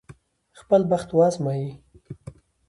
خپل بخت وازمايي.